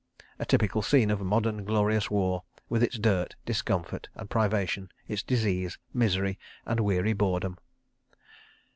A typical scene of modern glorious war with its dirt, discomfort and privation, its disease, misery and weary boredom.